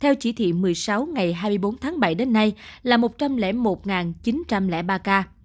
theo chỉ thị một mươi sáu ngày hai mươi bốn tháng bảy đến nay là một trăm linh một chín trăm linh ba ca